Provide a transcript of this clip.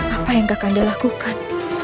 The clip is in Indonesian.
apa yang kakanda lakukan